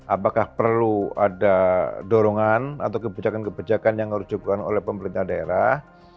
apakah perlu ada dorongan atau kebijakan kebijakan yang harus dilakukan oleh pemerintah daerah